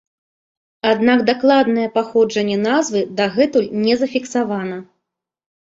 Аднак дакладнае паходжанне назвы дагэтуль не зафіксавана.